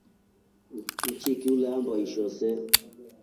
Nchiki uleamba isho see.